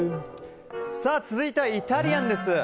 続いてはイタリアンです。